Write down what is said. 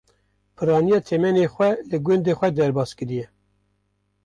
Pirraniya temenê xwe li gundê xwe derbaskiriye.